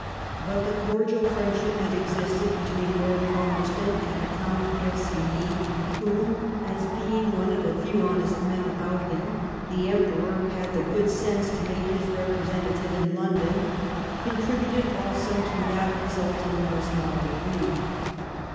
But the cordial friendship that existed between Lord Falmerston and Count Fersigny, whom^ as being one of the few honest men about him, the Emperor had the good sense to make his represen tative in London, contributed also to that result in no small degree.